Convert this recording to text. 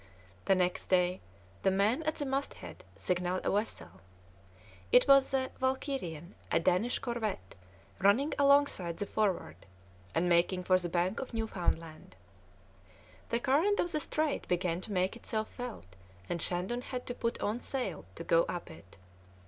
The next day the man at the masthead signalled a vessel. It was the Valkirien, a Danish corvette, running alongside the Forward, and making for the bank of Newfoundland. The current of the Strait began to make itself felt, and Shandon had to put on sail to go up it.